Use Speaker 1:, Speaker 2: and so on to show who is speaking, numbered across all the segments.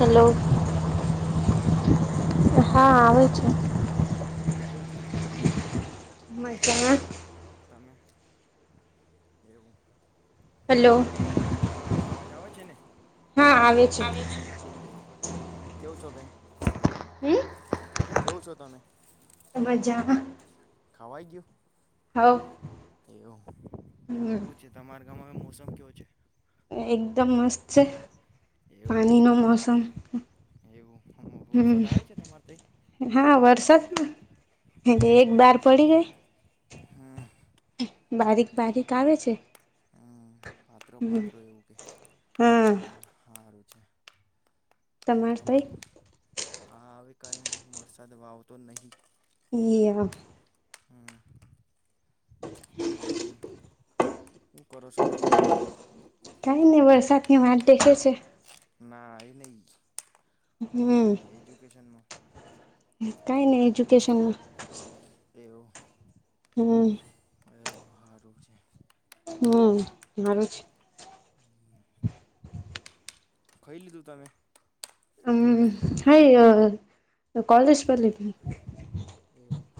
Speaker 1: Hello.
Speaker 2: અવાજ આવે છે મારી?
Speaker 1: હ [unintelligible]
Speaker 2: હા, કેવુ [unintelligible] છું બેન?
Speaker 1: મજામાં
Speaker 2: તમે એવું.
Speaker 1: હલો
Speaker 2: હા, અવાજ આવે છે ને? આવે છે, એવું કેવું [unintelligible] છો, બેન
Speaker 1: હમ
Speaker 2: કેવું છો તમે?
Speaker 1: મજામાં
Speaker 2: ખવાઈ ગયું?
Speaker 1: હવ.
Speaker 2: એવુ
Speaker 1: હમ
Speaker 2: શું છે તમારા ગામમાં મોસમ કેવો છે?
Speaker 1: એકદમ મસ્ત છે, પાણી
Speaker 2: એવું
Speaker 1: નો મોસમ.
Speaker 2: એવું
Speaker 1: હમ
Speaker 2: વરસાદ આવે છે તમારે તય?
Speaker 1: હા, વરસાદ એક બાર પડી ગઈ.
Speaker 2: હમ્મ.
Speaker 1: બારીક બારીક આવે છે.
Speaker 2: હમ્મ પાત્રો
Speaker 1: હમ
Speaker 2: પાત્રો એવું કે હા હા.
Speaker 1: તમારતય?
Speaker 2: કઈ ન વરસાદ વાવ તો નહી. [unintelligible]
Speaker 1: એયા. [unintelligible]
Speaker 2: હમ્મ. [unintelligible] એું [unintelligible] કરો છો તમે હવે. [unintelligible]
Speaker 1: કઈ નઇ વરસાદ ની વાત દેખે છે.
Speaker 2: ના એ [unintelligible] નહી.
Speaker 1: હમ કઈ નહી [unintelligible] એજ્યુકેશનમાં.
Speaker 2: તેવ. [unintelligible]
Speaker 1: હમ્મ.
Speaker 2: હ [unintelligible] હારું છે.
Speaker 1: હમ્મ મારું છે.
Speaker 2: ખઈ લીધું તમે?
Speaker 1: હમ્મ હાય કોલેજ બલ [unintelligible] હતી.
Speaker 2: એવું!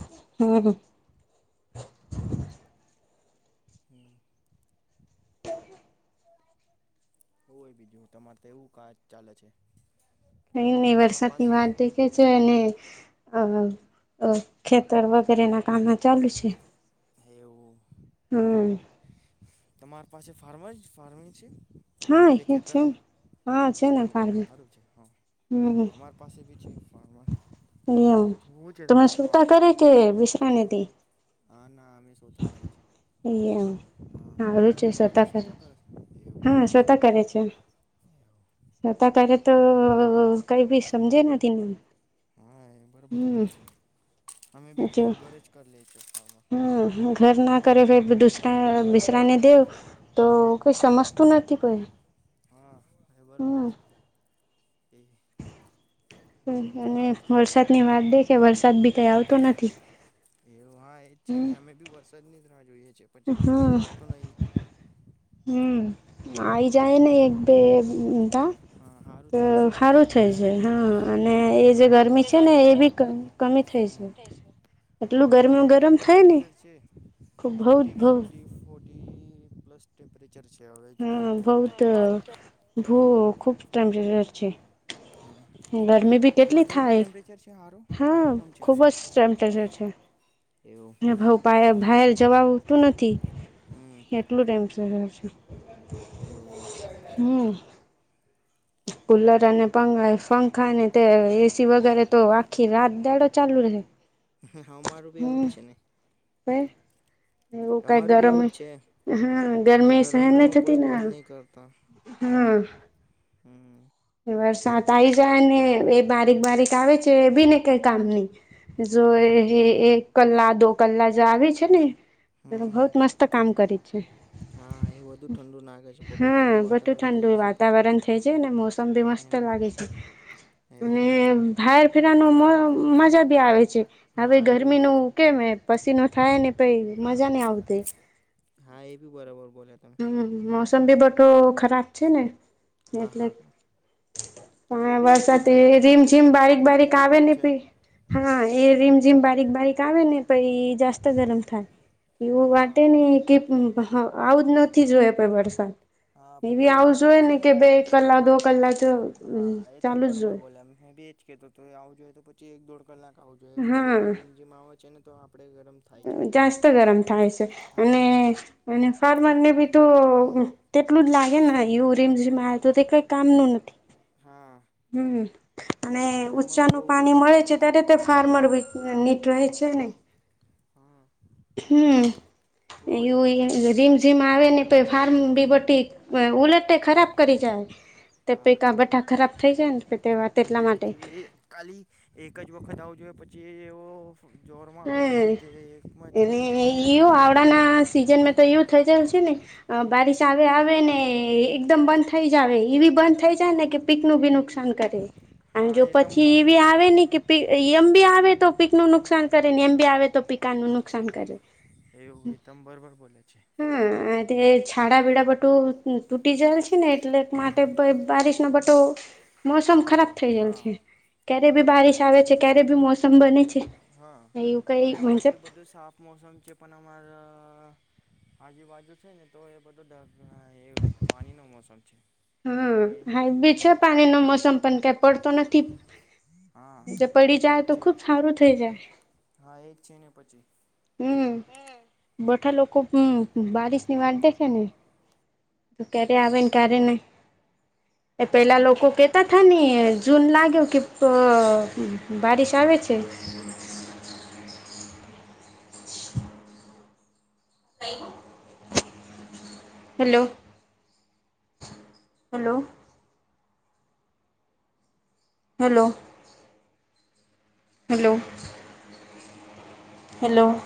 Speaker 1: હમ્મ.
Speaker 2: હમ્મ. હોય બીજું તમારે તો એવું કાર ચાલે છે.
Speaker 1: કઇ નહી
Speaker 2: તમાર
Speaker 1: વરસાત ની
Speaker 2: પાસે
Speaker 1: વાત દેખે છે, ને અ અ ખેતર વગેરે ના કામમાં ચાલુ છે.
Speaker 2: એવું
Speaker 1: હમ્મ.
Speaker 2: મા પાસે ફાર્માર જ ફાર્મ છે.
Speaker 1: હા
Speaker 2: એટલે
Speaker 1: એ
Speaker 2: ખેતર
Speaker 1: છેમ!
Speaker 2: એવું સારું છે, અ
Speaker 1: હમ
Speaker 2: અમારી પાસે બી છે જોવું છે
Speaker 1: તને [unintelligible]
Speaker 2: તમાર
Speaker 1: સુૂતા
Speaker 2: ફાર્મ તો
Speaker 1: કરે કે વિશ્રનીતી?
Speaker 2: હા ના અમે શોતા કરો છે.
Speaker 1: એયા! હા
Speaker 2: તમે
Speaker 1: આવું છે,
Speaker 2: એવું કરો છો
Speaker 1: સ્તા કર
Speaker 2: શોતા કરો છો એવું
Speaker 1: હા
Speaker 2: સારું છે
Speaker 1: સ્તા કરે છે. છતા કરે તોઓ કઈ ભી સમજે નથી.
Speaker 2: હા બરોબર બોલો
Speaker 1: હમ
Speaker 2: છ અમે બી
Speaker 1: જો
Speaker 2: ઘરે જ કરી લે છો [inaudible]
Speaker 1: હમ ઘર ના કરે ફે દુસરા બિસરાને દવ તો પઈ સમજતું નથીતી પઈ
Speaker 2: હા એ
Speaker 1: હ
Speaker 2: બરોબર
Speaker 1: [inaudible]
Speaker 2: છે એ
Speaker 1: [inaudible]
Speaker 2: હમ
Speaker 1: અને
Speaker 2: સારું છે
Speaker 1: વરસાદની વાત દેખે વરસાદ બી કઈ આવતો નથી
Speaker 2: એવું હા છે
Speaker 1: હમ
Speaker 2: ને અમે બી વરસાદની રાહ જોઈએ છેીએ પછી કઈ
Speaker 1: હમ
Speaker 2: આવતો નહીિ [inaudible]
Speaker 1: હમ આઈ જાયને એકગ
Speaker 2: એટલે
Speaker 1: બેતા
Speaker 2: હા સારું
Speaker 1: તો
Speaker 2: થઈ જશે પછી
Speaker 1: સારું થઈ
Speaker 2: બધું
Speaker 1: છે હા અને
Speaker 2: હા
Speaker 1: એ જે
Speaker 2: બરોબર
Speaker 1: ગરમી
Speaker 2: બોલે
Speaker 1: છે ને એ બી ક કમી થાય છે
Speaker 2: હા
Speaker 1: એટલું
Speaker 2: હવે
Speaker 1: ગરમી
Speaker 2: આમા તો
Speaker 1: ગરમ થાય ને
Speaker 2: ટેમ્પરેચર છે
Speaker 1: ખૂબ બહુત બહુ
Speaker 2: મ્ હવેમે જો બ [unintelligible]
Speaker 1: હ ખુબ ટેમ્પરેચર છે
Speaker 2: હમ
Speaker 1: ગરમી ભી
Speaker 2: તમારે
Speaker 1: કેટલી
Speaker 2: તો એ બી
Speaker 1: થાય
Speaker 2: ટેમ્પરેચર છે સારું કે
Speaker 1: હા
Speaker 2: કમ
Speaker 1: ખુબ જ શમ છે
Speaker 2: છે એવું
Speaker 1: ભઉ પ ભ [unintelligible] જવા આવતું નથી.
Speaker 2: હમ
Speaker 1: એટલુ ટાઈમ થઈ ગયો છે.
Speaker 2: એવું
Speaker 1: [unintelligible] હમ.
Speaker 2: [inaudible]
Speaker 1: કુલર અને પંખા અને તે એસી વગેરે તો આખી રાત દાડો ચાલુ રહે.
Speaker 2: હા, મારું બી એવું જ છે ને
Speaker 1: હ. એવું કઈ
Speaker 2: અમારું બી એવું જ
Speaker 1: ગરમી.
Speaker 2: છે
Speaker 1: હા,
Speaker 2: એ
Speaker 1: ગરમી સહેન નહી
Speaker 2: ગરમમાં
Speaker 1: થતી
Speaker 2: કોઈ
Speaker 1: ને.
Speaker 2: બંધ નહીં કરતા
Speaker 1: હમ.
Speaker 2: હમ
Speaker 1: વરસાદ આવીઈ જાય ને, એ બારીક બારીક આવે છે એ ભી ને કઈ કામ નહી. જો
Speaker 2: એવું
Speaker 1: એક કલા દો કલા જો આવી છે ને, એ
Speaker 2: હમ
Speaker 1: બહત મસ્તક કામ કરી. છે
Speaker 2: હા, એ વધુ ઠંડુ નાખે છે. બધું ઠંડુ
Speaker 1: હા બધું
Speaker 2: વાતાવરણ થઈ
Speaker 1: ઠંડુ
Speaker 2: જશે પછી.
Speaker 1: વાતાવરણ થઈ જાય ને મોસમ મસ્ત
Speaker 2: એના
Speaker 1: લાગે છે.
Speaker 2: એવું
Speaker 1: અને બાહર ફેરવાનું મજા ભી આવે છે. હવે,
Speaker 2: હા એવું
Speaker 1: ગરમીનું કેમ પસીનો થાય ને. - મજા નઈ આવતી.
Speaker 2: હા એ બી બરાબર બોલ્યા તમે
Speaker 1: હ મોસમ બી બધો ખરાબ છે ને
Speaker 2: હા
Speaker 1: એટલે
Speaker 2: હા. એ
Speaker 1: પણ
Speaker 2: બી
Speaker 1: વરસાદે રીમજીમ બારીક
Speaker 2: એ બી
Speaker 1: બારીક આવે
Speaker 2: ખરાબ
Speaker 1: ને
Speaker 2: છે
Speaker 1: પહી હા. એ રીમઝીમ બારીક બારીક લાવેને પછી એ જાસ્ત ગરમ થાય એવું.
Speaker 2: હા
Speaker 1: વાટેને કે હા, આવું જ નથી જોઇએ આપણે વરસાદ
Speaker 2: હા
Speaker 1: એવી
Speaker 2: પછી એ
Speaker 1: આવું
Speaker 2: ડાયરેક્ટ
Speaker 1: જોઈ
Speaker 2: છે
Speaker 1: ને કે બે એક
Speaker 2: અડધો
Speaker 1: કલાક કલાક
Speaker 2: હા, એ તમે
Speaker 1: ચાલુ જ
Speaker 2: બરોબર
Speaker 1: જોય
Speaker 2: બોલયા મે એજ કેતો આવું જોઈ તો પછી એક દોડ કલાક આવું જોઈએ. પછી એવું
Speaker 1: હા
Speaker 2: રીમઝીમ આવે છે ને તો આપણે ગરમ થાય છે
Speaker 1: જાસ્ત ગરમ થાય છે
Speaker 2: હા
Speaker 1: અને
Speaker 2: એનામાં
Speaker 1: અને ફાર્મર ને બી તો તેટલું જ લાગે ને એવું રીમઝમ આવે તો તે કંઈ કામનું નથી.
Speaker 2: હા
Speaker 1: હમ. અને
Speaker 2: એનામાં બી
Speaker 1: ઉંચાનું
Speaker 2: બહુ
Speaker 1: પાણી
Speaker 2: ગરમી
Speaker 1: મળે છે
Speaker 2: થાય
Speaker 1: ત્યારે તે ફાર્મર નીટ રહેે છે ને?
Speaker 2: હા
Speaker 1: હમ,
Speaker 2: બહુ બોલ્યા તમે
Speaker 1: એવું
Speaker 2: હવે
Speaker 1: રીમઝીમ આવે ને પછી ફાર્મ બીબટીક ઉલેટટે ખરાબ કરી જાય. તે
Speaker 2: હા
Speaker 1: પેકા બેઠા ખરાબ થઈ જાય ને પછી તેવા તેટલા માટે.
Speaker 2: જે કેવું?
Speaker 1: હા, અને
Speaker 2: બધું કામ થઈ
Speaker 1: એવું
Speaker 2: જશે
Speaker 1: આવડાના સિઝનમાં તો એવું થઈ જાય છે ને. અ બારીશ આવે આવેને એકદમ બંધ થઈ જાય આવે, એવી બંધ થઈ જાય ને કે પીકનું ભીનુ નુકસાન કરે અને
Speaker 2: હા
Speaker 1: જો
Speaker 2: એ તમ
Speaker 1: પછી એવી આવે ને કે, એમ બી આવે તો પીકનું નુકસાન કરે ને એમ બી આવે તો પિકાનું નુકસાન કરે.
Speaker 2: એવું એ તમે બરોબર બોલે છે.
Speaker 1: હા તે છાડાબીડા બટું તૂટી જાય છે ને એટલે માટે પણ બારીશ ન બટો મોસમ ખરાબ
Speaker 2: એવું
Speaker 1: થઈ ગયેલ
Speaker 2: હા
Speaker 1: છે ક્યારે બી બારિશ આવે છે, ક્યારે બી મોસમ બને છે.
Speaker 2: હા
Speaker 1: એવું કઈ
Speaker 2: હવે અમા તો
Speaker 1: મતલબ
Speaker 2: બધું સાફ મોસમ છે પણ અમારા આજુ બાજુ છે ને તો એ બધો એ પાણીનો મોસમ છે.
Speaker 1: હા
Speaker 2: એટલે
Speaker 1: હાઈવે છે પાણીનો મોસમ પણ ક્યાં પડતો નથી.
Speaker 2: હા.
Speaker 1: જે પડી જાય
Speaker 2: એજ
Speaker 1: તો
Speaker 2: છે
Speaker 1: ખુબ
Speaker 2: ને
Speaker 1: સારું થઈ જાય.
Speaker 2: હા એક છે ને પછી
Speaker 1: હમ બધા લોકો હમ બારીશની વાત દેખે ને તો ક્યારે આવેને ક્યારે નહી.
Speaker 2: [inaudible]
Speaker 1: એ પહેલાં લોકો કહેતા હતાા ને જૂન લાગ્યો કે બારિશ આવે છે.
Speaker 2: [inaudible]
Speaker 1: [inaudible] [inaudible] Hello hello. Hello. Hello. Hello.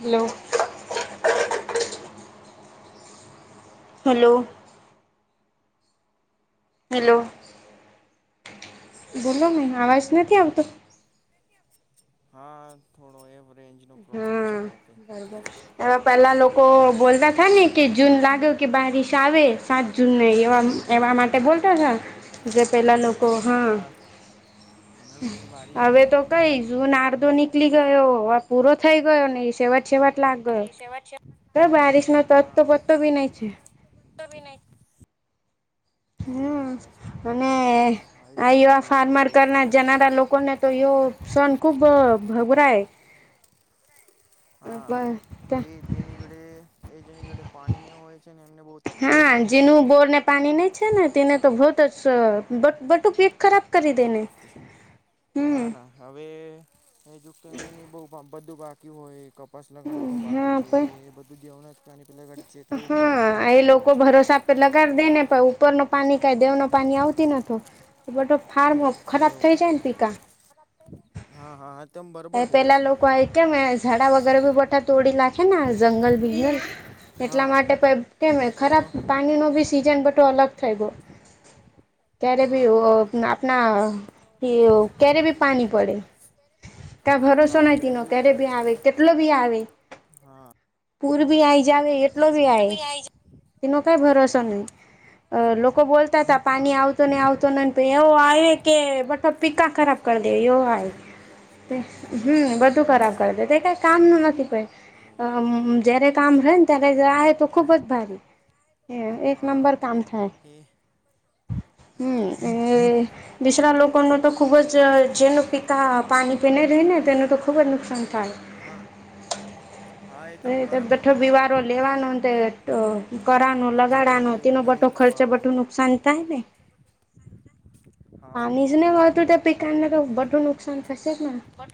Speaker 1: Hello. Hello. Hello બોલો મે અવાજ નથી આવતો.
Speaker 2: હા થોડો એ રેન્જ નો પ્રોબ્લેમ છે. અમારે તઈ
Speaker 1: બબર એ પેલા લોકો બોલતા થા ને કે જૂન લાગ્યો કે બારિશ આવે સાજ જૂને એવા એવા માટે બોલતા છે
Speaker 2: હા હમ
Speaker 1: જે પહેલાં લોકો
Speaker 2: પણ હવે
Speaker 1: હા
Speaker 2: બા પણ હવે એ બારી બી
Speaker 1: હવે
Speaker 2: નહીં
Speaker 1: તો
Speaker 2: આવતો
Speaker 1: કઈશ હું નારદો નીકળી ગયો. પૂરો થઈ ગયો ને એ
Speaker 2: હા
Speaker 1: સેવટ સેવટ લાગ ગયો. ક બારિશનોો તત તો
Speaker 2: હા
Speaker 1: પતો ભી નહી છે.
Speaker 2: તો બી નહી એવું એ
Speaker 1: હમ અને
Speaker 2: બારીશ
Speaker 1: આ
Speaker 2: આવું
Speaker 1: વા
Speaker 2: જોઈએ તો જ
Speaker 1: ફાર્મર
Speaker 2: કંઈ
Speaker 1: કર ના
Speaker 2: થશે આપણું
Speaker 1: જનારા લોકોને તો સન ખુબ ભઘરા એ
Speaker 2: [inaudible] હા એ જની જોડે એ જની જોડે પાણી ને હોય છે એમને બહુ તકલીફ છે
Speaker 1: હા
Speaker 2: આવીધ.
Speaker 1: જેનું બોરને પાણી નહી તેને તો ભો બટ બટુક એક ખરાબ કરી દેને
Speaker 2: તકલીફ છે
Speaker 1: હમ.
Speaker 2: હા ના હવે એ જોુ કે બ બધું બાકી હોય સ લગાડવાનું બાાગકી
Speaker 1: હા
Speaker 2: છે
Speaker 1: પણ
Speaker 2: એ બધું દેનાતા
Speaker 1: હા એ લોકો ભરોસા આપેલા કર દે ને પ ઉપર ન પાણી ક દેવ ન પાણી આવતી નતો બ હાર ખરાબ
Speaker 2: એવું
Speaker 1: થઈ જાય ને ટીકા
Speaker 2: [inaudible] બોલે
Speaker 1: પેલા
Speaker 2: છે
Speaker 1: લોકો આ કેમ ઝાડા વગેરે બી બઠા તોડી નાખે જંગલ બંગલ એટલા
Speaker 2: હા
Speaker 1: માટે પણ કેમ
Speaker 2: એ તો
Speaker 1: ખરાબ પાણીનો બી સિઝન બધો અલગ થઈ ગય ક્યારે ભી
Speaker 2: હા
Speaker 1: આપણા ક્યારે ભી પાણી પડે. કા ભરોસો
Speaker 2: હા
Speaker 1: નહ તનો
Speaker 2: બી
Speaker 1: ક્યારે
Speaker 2: પડે
Speaker 1: ભી
Speaker 2: છે
Speaker 1: આવે કેટલો બી આવે
Speaker 2: હા
Speaker 1: પૂર ભી આવી જ આવે એટલો બીય
Speaker 2: છે હા
Speaker 1: તેનો કઈ ભરોસો
Speaker 2: હા
Speaker 1: નહી અ લોકો બોલતા હતા
Speaker 2: હા
Speaker 1: પાણી
Speaker 2: હા
Speaker 1: આવતું ને આવતો નથી એવો આવે કે બો પીકા
Speaker 2: આવે
Speaker 1: ખરાબ
Speaker 2: છે
Speaker 1: કર દ્યો આય.
Speaker 2: પછી
Speaker 1: હમ બધું ખરાબ કર દ તે કઈ કામનું નથી કઈ
Speaker 2: એવું
Speaker 1: જ્યારે કામ રહે તો
Speaker 2: એટલે
Speaker 1: ખુબ જ ભ એક
Speaker 2: હા
Speaker 1: નંબર કામ થાય.
Speaker 2: એ
Speaker 1: હમ
Speaker 2: હા
Speaker 1: એ દીસરા લોકો ન તો ખુબ જ જેનો પિતા તે ન રહી ને તેનું તો ખુબ જ નુકસાન થાય
Speaker 2: હા હા એ તમ
Speaker 1: તો
Speaker 2: બરાબર
Speaker 1: બઠો
Speaker 2: બોલે છે
Speaker 1: બીવારો લેવાનો તે કરવાનો
Speaker 2: પછી એ
Speaker 1: લગાડનો
Speaker 2: વય
Speaker 1: તેનો બટો
Speaker 2: નવીન
Speaker 1: ખર્ચે
Speaker 2: લખવાનું
Speaker 1: બટું નુકસાન થાય ને. પા
Speaker 2: હા
Speaker 1: જ ને હોતું ત પિકને તો બધું નુકસાન થશે.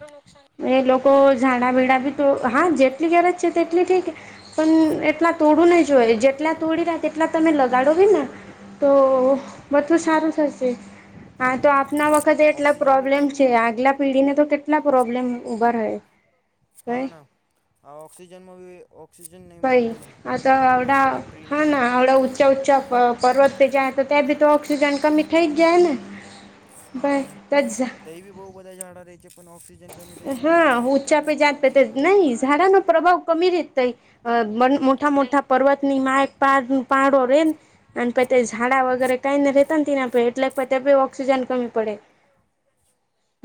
Speaker 1: [unintelligible] એ લોકો તો ઝાડા બીડાં બી તો હા જેટલી ગેરજ છે તેટલી ઠીક પણ એટલા તોડું નહીં જોએ જેટલા તોડી લ તેટલા તમે લ હોયને તો બધલું
Speaker 2: હા
Speaker 1: સારું થશે. હા તો આપના વખતે એટલા
Speaker 2: ઓક્સિજન બી
Speaker 1: પ્રોબ્લેમ
Speaker 2: કમી
Speaker 1: છે
Speaker 2: પડે
Speaker 1: આગલા ને તો કેટલા પ્રોબ્લેમ ઉભા રહે.
Speaker 2: હા
Speaker 1: ભાઈ
Speaker 2: ના ઓક્સિજનમાં બી ઓક્જ
Speaker 1: કહી આ એડા
Speaker 2: ટ્રી
Speaker 1: હા
Speaker 2: નહીં રહેવાનું
Speaker 1: નાડ
Speaker 2: હતું
Speaker 1: ઉચ્ચ
Speaker 2: એટલે
Speaker 1: ઉચ્ચ પર્વત જે હતા તો ઓક્સસીજન ક મીઠાાઈ જાય ને
Speaker 2: હા ને તો એ બી બહુ બધા જાઝાડા ર છે પણ ઓફિસ કી થઈ જવાનું એ કારણ છે કે ભાઈ
Speaker 1: તે
Speaker 2: એ બહુ ઉપર
Speaker 1: નહીં
Speaker 2: આવી જાય
Speaker 1: ઝાડાનો
Speaker 2: છે
Speaker 1: પ્રભાવ કમી રીત થાય મોટા મોટા પર્વતની માય પાર પડો રે ને અને પછી ઝાડા વગેરે કઈને
Speaker 2: હમ
Speaker 1: ર રહેતા એટલે ઓક્સિજન કમી પડે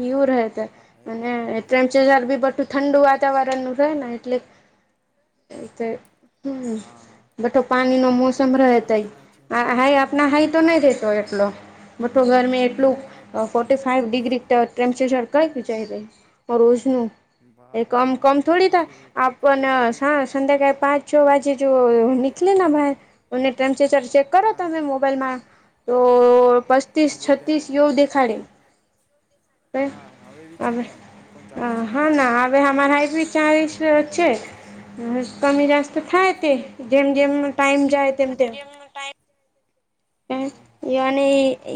Speaker 1: યું રહે તો
Speaker 2: હા હા એ બરાબર બોલ્યો તમે
Speaker 1: મ્પચર બી બું ઠંડુ વાતાવરણ નું રહે ને એટલે એ તો હમ
Speaker 2: હા હા
Speaker 1: બઠો પાણી નો
Speaker 2: હવે
Speaker 1: મોસમ
Speaker 2: બહુ
Speaker 1: રહે
Speaker 2: ગરમ
Speaker 1: તય
Speaker 2: થાય છે
Speaker 1: આ હાઈ આપણા હાઈ તો નહી રે એટ બું ગરમી
Speaker 2: હા
Speaker 1: એટલું ફોર્ ફાઈવ ડિગ્રી ટેમ્પરેચર કઈ જાય રોજનું
Speaker 2: વાહ
Speaker 1: એ કમ
Speaker 2: બહુ
Speaker 1: કમ થોડી
Speaker 2: બહુ
Speaker 1: તો
Speaker 2: છે
Speaker 1: આપ
Speaker 2: ફોર્ટી ફાઈવ
Speaker 1: સા
Speaker 2: ડિગ્રી
Speaker 1: સંધ્યાકાળ પાંચ જ જો નીકળે ભ અને ટેમ્પરેચર ચેક કરો
Speaker 2: હા
Speaker 1: તમે મોબાઈલમાં તો પસ્તીસ
Speaker 2: તો બહુ
Speaker 1: છતીસ
Speaker 2: ટેમ્પરેચર
Speaker 1: એવું
Speaker 2: થાય છે
Speaker 1: દેખાડે
Speaker 2: હા હવે બી છે ને
Speaker 1: અ
Speaker 2: એકોણચાલીસ છે
Speaker 1: હા
Speaker 2: અમારે તો
Speaker 1: ના આવેઢ હઈ પી ચાલીસ છે હ કમીજસ્ત થાય
Speaker 2: એવું
Speaker 1: તે જેમ જેમ ટાઈમ જાય તેમ તેમ
Speaker 2: એવું
Speaker 1: અને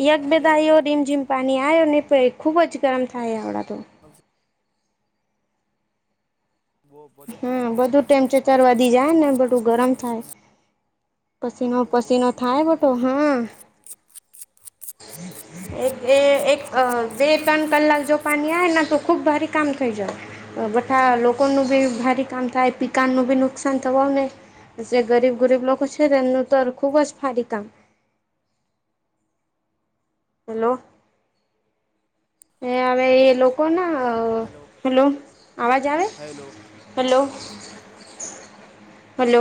Speaker 1: યોવાની
Speaker 2: હા એ
Speaker 1: બધા એવ રીમઝમ પાની આવ્યો ને ભાઈ ખૂબ જ ગરમ થાય આવડા તો
Speaker 2: બહુ
Speaker 1: હમ
Speaker 2: થાય
Speaker 1: બધું
Speaker 2: પછી
Speaker 1: ટેમ્પરેચર
Speaker 2: પાણી આવશે
Speaker 1: વધી
Speaker 2: ને
Speaker 1: જાય
Speaker 2: તો
Speaker 1: બધું ગરમ થાય
Speaker 2: એના
Speaker 1: પસીનો
Speaker 2: તો ફોર્
Speaker 1: પસીનો
Speaker 2: ટુ
Speaker 1: થાય
Speaker 2: ફોર્ટી થ્રી
Speaker 1: બટો
Speaker 2: થઈ જવાનો છે
Speaker 1: હા
Speaker 2: ટેમ્પરેચર
Speaker 1: એક એ એક બે તન કલાલ જો પાણી આવે ત ખૂબ ભારે કામ થઈ જાય બધા લોકોનું બી ભારે કામ થાય પિક ન ભી નુકસાન થું ને જે ગરીબ ગરીબ લોકો છે ને એમનું તો ખુબ જ ફારી કામ
Speaker 2: [inaudible]
Speaker 1: હેલો હ હ એ લોકો ના હેલો અવાજ આવે
Speaker 2: હેલો
Speaker 1: હેલો હલો